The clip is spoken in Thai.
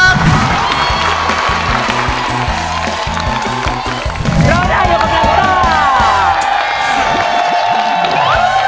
เราได้กำลังต้อง